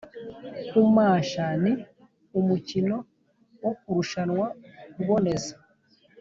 kumasha ni umukino wo kurushanwa kuboneza.